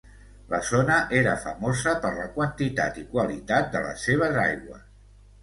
La zona era famosa per la quantitat i qualitat de les seves aigües.